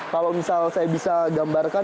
kalau misal saya bisa gambarkan